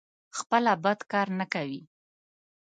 خپله بد کار نه کوي.